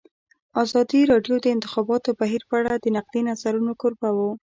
ازادي راډیو د د انتخاباتو بهیر په اړه د نقدي نظرونو کوربه وه.